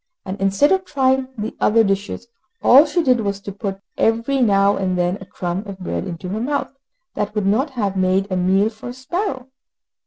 And, instead of trying the other dishes, all she did was to put every now and then a crumb, of bread into her mouth, that would not have made a meal for a sparrow.